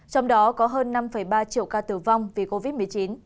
trong đó có hơn năm ba triệu ca tử vong vì covid một mươi chín